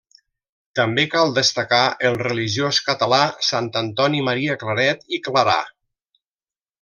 També cal destacar el religiós català Sant Antoni Maria Claret i Clarà.